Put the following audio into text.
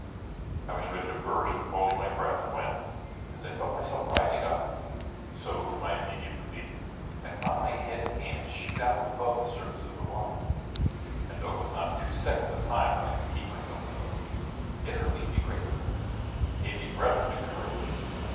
I was ready to burst with holding my breath when, as I felt myself rising up, so, to my immediate relief, I found my head and hands shoot out above the surface of the water; and though it was not two seconds of time that I could keep myself so, yet it relieved me greatly, gave me breath and new courage.